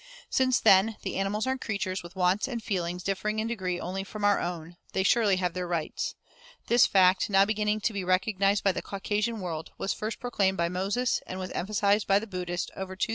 Since, then, the animals are creatures with wants and feelings differing in degree only from our own, they surely have their rights. This fact, now beginning to be recognized by the Caucasian world, was first proclaimed by Moses and was emphasized by the Buddhist over 2,000 years ago.